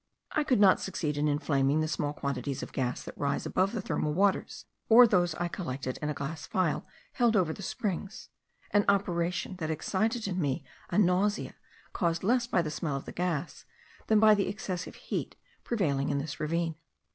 I could not succeed in inflaming the small quantities of gas that rise above the thermal waters, or those I collected in a glass phial held over the springs, an operation that excited in me a nausea, caused less by the smell of the gas, than by the excessive heat prevailing in this ravine.